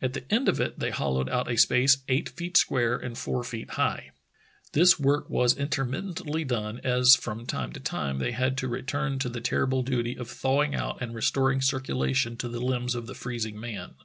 At the end of it they hollowed out a space eight feet square and four feet high. This work was intermittently done, as from time to time they had to return to the terrible duty of thawing out and restoring circulation to the limbs of the freezing man.